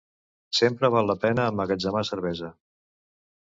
Sempre val la pena emmagatzemar cervesa.